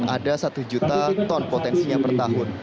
ada satu juta ton potensinya per tahun